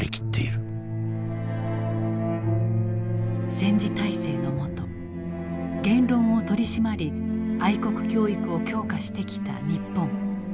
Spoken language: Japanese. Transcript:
戦時体制のもと言論を取り締まり愛国教育を強化してきた日本。